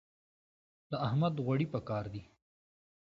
د احمد غوړي په کار دي.